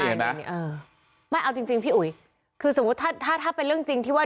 เอาจริงพี่อุ๋ยคือสมมุติถ้าเป็นเรื่องจริงที่ว่า